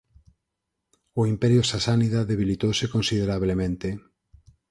O Imperio Sasánida debilitouse considerablemente.